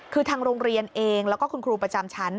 คือทางโรงเรียนเองแล้วก็คุณครูประจำชั้น